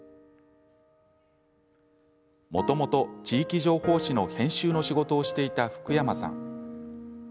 もともと地域情報紙の編集の仕事をしていた福山さん。